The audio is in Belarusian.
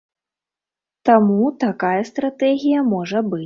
Таму, такая стратэгія можа быць.